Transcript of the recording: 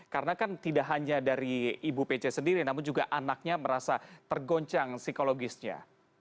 bukan hanya bu pc sendiri namun juga anaknya merasa tergoncang psikologisnya